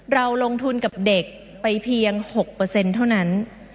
เราลงทุนกับเด็กไปเพียง๖เปอร์เซ็นต์เท่านั้น